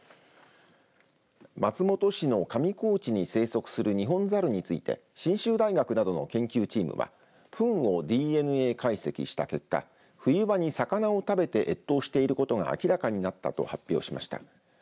松本市の上高地に生息するニホンザルについて信州大学などの研究チームはふんをＤＮＡ解析した結果冬場に魚を食べて越冬していることが明らかになったと発表しました。